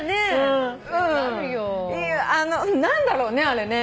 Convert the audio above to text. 何だろうねあれね。